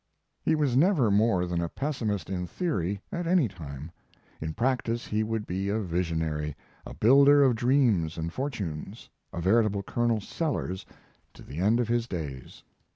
He was never more than a pessimist in theory at any time. In practice he would be a visionary; a builder of dreams and fortunes, a veritable Colonel Sellers to the end of his days.